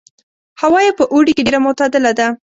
هوا یې په اوړي کې ډېره معتدله ده.